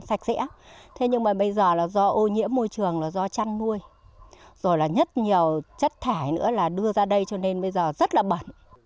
sạch sẽ nhưng mà bây giờ là do ô nhiễm môi trường là do chăn nuôi rồi là rất nhiều chất thải nữa là đưa ra đây cho nên bây giờ rất là bẩn